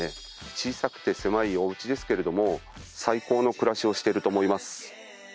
小さくて狭いお家ですけれども最高の暮らしをしてると思います。